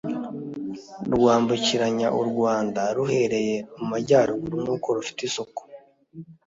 Rwambukiranya u Rwanda, ruhereye mu majyaruguru kuko rufite isoko